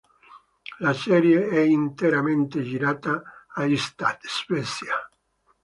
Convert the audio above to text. La serie è interamente girata a Ystad, Svezia.